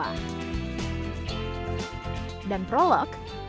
dan prolog yang terkait dengan kata afa adalah afa